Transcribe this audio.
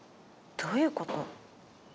どういうこと？